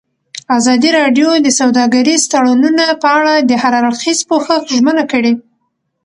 ازادي راډیو د سوداګریز تړونونه په اړه د هر اړخیز پوښښ ژمنه کړې.